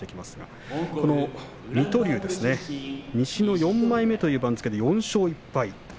水戸龍ですが西の４枚目という番付で４勝１敗。